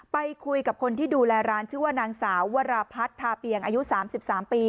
ไปคุยกับคนที่ดูแลร้านชื่อว่านางสาววราพัฒนทาเปียงอายุ๓๓ปี